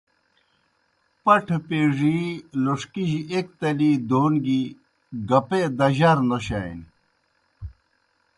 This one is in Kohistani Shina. پٹَھہ پیڙی لوݜکِجیْ ایْک تلی دون گیْ گَپے دجار نوشانیْ۔